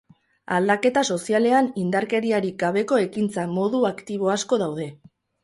Aldaketa sozialean indarkeriarik gabeko ekintza modu aktibo asko daude.